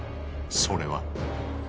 それは。